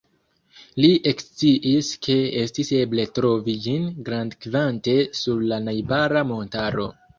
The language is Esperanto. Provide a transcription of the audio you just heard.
Li eksciis ke estis eble trovi ĝin grandkvante sur la najbara montaro.